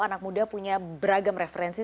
anak muda punya beragam referensi